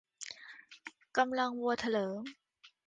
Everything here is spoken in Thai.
กำลังวัวเถลิง